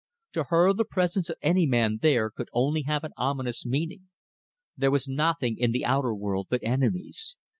To her the presence of any man there could only have an ominous meaning. There was nothing in the outer world but enemies.